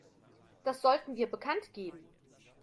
Das sollten wir bekanntgeben.